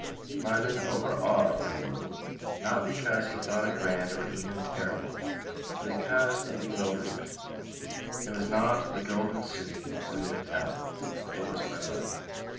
London overawed him a little, not because he thought it grand or even terrible, but because it bewildered him; it was not the Golden City or even hell; it was Limbo.